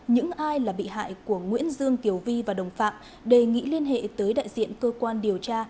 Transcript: những ai là bị hại của nguyễn dương kiều vi và đồng phạm đề nghị liên hệ tới đại diện cơ quan điều tra